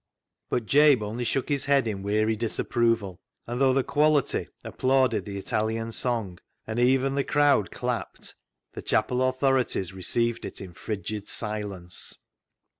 But Jabe only shook his head in weary dis approval, and though the " quality " applauded the Italian song, and even the crowd clapped, the chapel authorities received it in frigid silence.